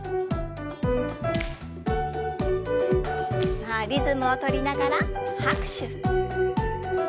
さあリズムを取りながら拍手。